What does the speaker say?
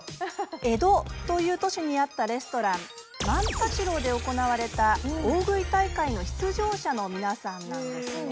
江戸という都市にあったレストラン万八楼で行われたオオグイ大会の出場者の皆さんなんですね。